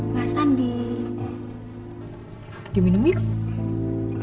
mas andi di minum yuk